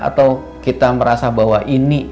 atau kita merasa bahwa ini